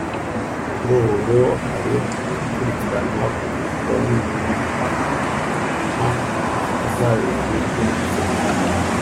kuri ubu ari gukurikiranwa kugira ngo nibimuhama azabihanirwe n’amategeko